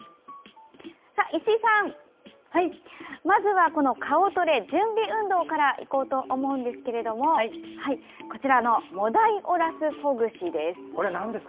石井さん、まずこの顔トレ準備運動からいこうと思うんですけどモダイオラスほぐしです。